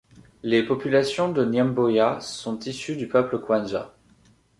Les populations de Nyamboya sont issues du peuple Kwanja.